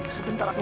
bisa sebentar aja